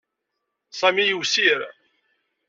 Sami yiwsir.